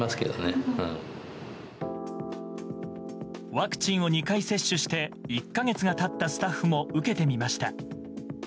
ワクチンを２回接種して１か月が経ったスタッフも受けてみました。